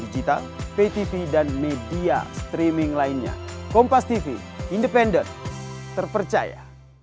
saya tidak tahu tapi saya terpercaya